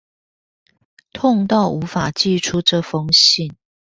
痛到無法寄出這封信